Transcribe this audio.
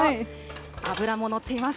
脂も乗っています。